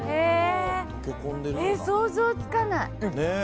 想像つかない。